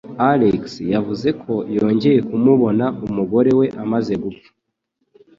Alex yavuze ko yongeye kumubona umugore we amaze gupfa.